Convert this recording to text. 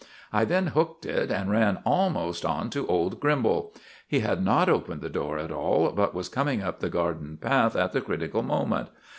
I then hooked it, and ran almost on to old Grimbal. He had not opened the door at all, but was coming up the garden path at the critical moment.